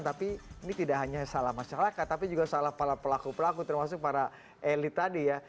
tapi ini tidak hanya salah masyarakat tapi juga salah para pelaku pelaku termasuk para elit tadi ya